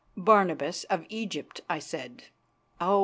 "Barnabas of Egypt," I said. "Oh!